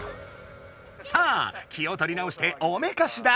さあ気をとり直しておめかしだ。